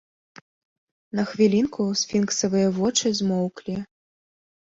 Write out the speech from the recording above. На хвілінку сфінксавыя вочы змоўклі.